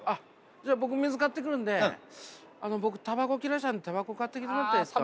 じゃあ僕水買ってくるんであの僕タバコ切らしちゃったんでタバコ買ってきてもらっていいですか？